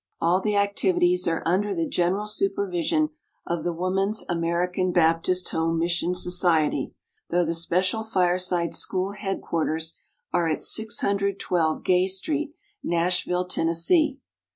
All the activities are under the general supervision of the Woman's American Baptist Home Mission Society, though the special Fireside School head quarters are at 612 Gay Street, Nashville, Tennessee.